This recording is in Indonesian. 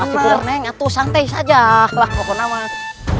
neng atuh santai saja lah pokoknya mah